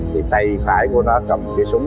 thì tay phải của nó cầm cái súng